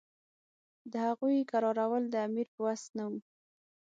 د هغوی کرارول د امیر په وس نه وو.